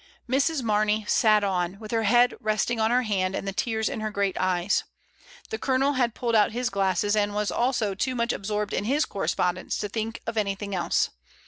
Mrs. Mamey sat on, with her head resting on her hand and the tears in her great eyes. The Colonel had pulled out his glasses and was also too much absorbed in his correspondence to think of anything else.